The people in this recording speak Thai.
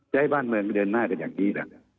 ให้บ้านเมืองมาเดินหน้ากันอย่างนี้นะ